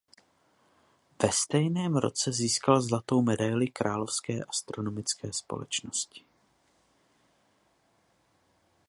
Ve stejném roce získal Zlatou medaili Královské astronomické společnosti.